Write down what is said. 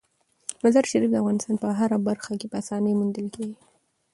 مزارشریف د افغانستان په هره برخه کې په اسانۍ موندل کېږي.